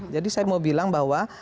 jadi saya mau bilang bahwa